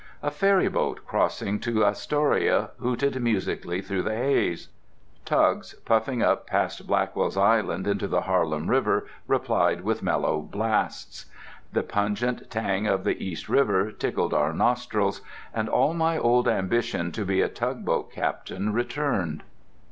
A ferryboat, crossing to Astoria, hooted musically through the haze. Tugs, puffing up past Blackwell's Island into the Harlem River, replied with mellow blasts. The pungent tang of the East River tickled our nostrils, and all my old ambition to be a tugboat captain returned.